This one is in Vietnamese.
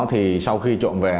thì sau khi trộm về